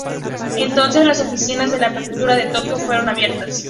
Entonces, las oficinas de la prefectura de Tokio fueron abiertas.